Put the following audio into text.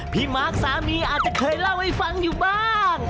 มาร์คสามีอาจจะเคยเล่าให้ฟังอยู่บ้าง